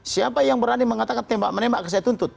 siapa yang berani mengatakan tembak menembak saya tuntut